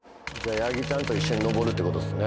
やぎちゃんと一緒に登るってことですね